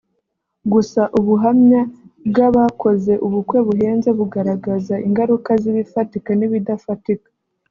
gusa ubuhamya bw’abakoze ubukwe buhenze bugaragaza ingaruka z’ibifatika n’ibidafatika